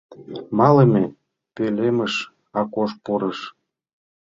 Малыме пӧлемыш Акош пурыш.